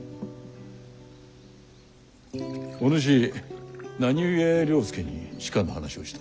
お主何故了助に仕官の話をした？